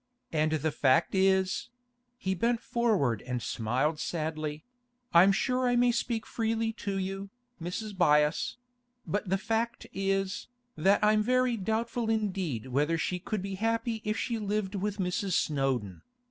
And the fact is'—he bent forward and smiled sadly—'I'm sure I may speak freely to you, Mrs. Byass—but the fact is, that I'm very doubtful indeed whether she could be happy if she lived with Mrs. Snowdon.